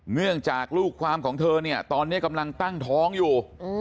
เนื่องจากลูกความของเธอเนี่ยตอนนี้กำลังตั้งท้องอยู่